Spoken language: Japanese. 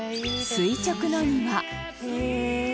垂直の庭。